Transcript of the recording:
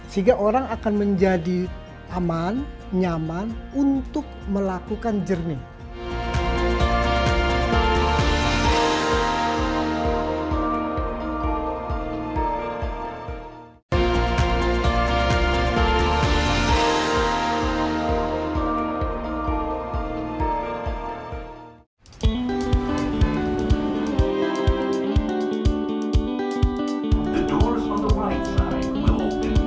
sehingga orang akan menjadi aman nyaman untuk melakukan jernih